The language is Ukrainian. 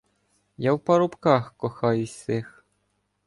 Я в парубках кохаюсь сих.